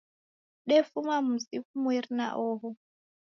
Defuma mzi ghumweri na oho